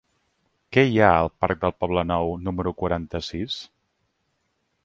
Què hi ha al parc del Poblenou número quaranta-sis?